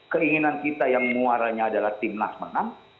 keinginan kita yang muaranya adalah timnas menang